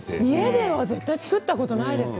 家では作ったことないですね。